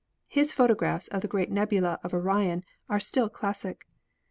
His pho tographs of the great nebula of Orion are still classic.